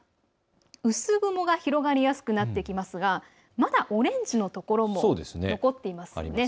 薄雲が広がりやすくなってきますがまだオレンジの所も残っていますね。